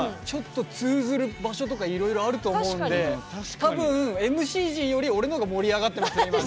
ちょっと通ずる場所とかいろいろあると思うんで多分ＭＣ陣より俺の方が盛り上がってますね